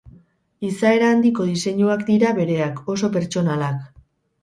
Izaera handiko diseinuak dira bereak, oso pertsonalak.